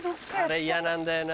あれ嫌なんだよな。